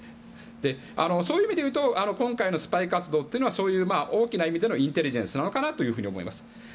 そういう意味で言うと今回のスパイ活動はそういう大きな意味でのインテリジェンスなのかなと思います。